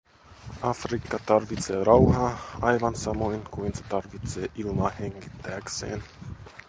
Afrikka tarvitsee rauhaa, aivan samoin kuin se tarvitsee ilmaa hengittääkseen.